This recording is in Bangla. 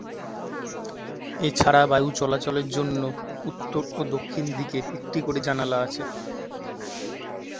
এ ছাড়া বায়ু চলাচলের জন্য উত্তর ও দক্ষিণ দিকে একটি করে জানালা আছে।